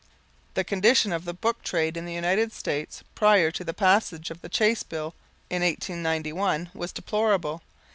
The condition of the book trade in the United States prior to the passage of the Chace Bill in 1891 was deplorable.